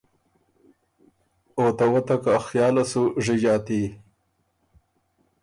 او ته وتک ا خیاله سُو ژی ݫاتي۔